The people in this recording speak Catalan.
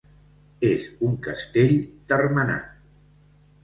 És un castell termenat.